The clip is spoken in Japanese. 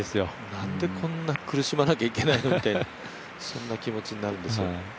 なんでこんなに苦しまなきゃいけないのって気持ちになるんだよ。